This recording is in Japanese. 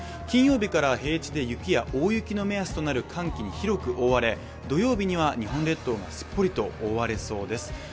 金曜日から平地で雪や大雪の目安となる寒気に広く覆われ土曜日には、日本列島がすっぽりと覆われそうです。